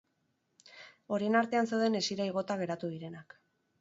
Horien artean zeuden hesira igota geratu direnak.